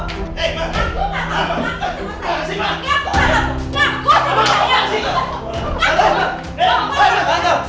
kamu ada kesaluan dong